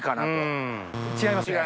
違いますね。